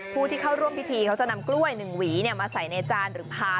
ผู้ที่เข้าร่วมพิธีเขาจะนำกล้วย๑หวีมาใส่ในจานหรือพา